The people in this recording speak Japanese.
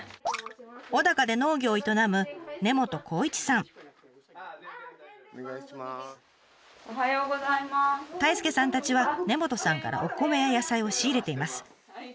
小高で農業を営む太亮さんたちは根本さんからお米や野菜を仕入れています。